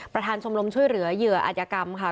ชมรมช่วยเหลือเหยื่ออัธยกรรมค่ะ